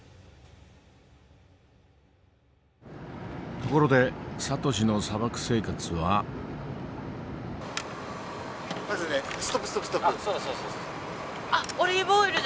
ところでサトシの砂漠生活は？あっオリーブオイルだ！